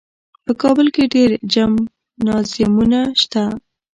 په کابل کې ډېر جمنازیمونه شته.